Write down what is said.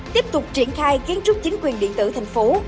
tiếp tục triển khai kiến trúc chính quyền điện tử thành phố